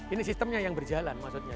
ini sistemnya yang berjalan maksudnya